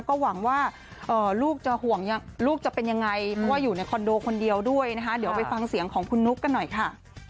ก็หวังว่าลูกจะห่วงลูกจะเป็นยังไงเพราะว่าอยู่ในคอนโดคนเดียวด้วยนะคะเดี๋ยวไปฟังเสียงของคุณนุ๊กกันหน่อยค่ะ